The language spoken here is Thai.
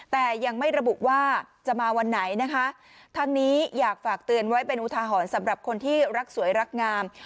แต่ยังไม่ระบุว่าจะมาวันไหนนะคะทั้งนี้อยากฝากเตือนไว้เป็นอุทาหรณ์สำหรับคนที่รักสวยรักงาม